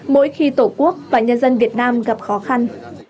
mỗi khi tổ quốc và nhân dân việt nam gặp khó khăn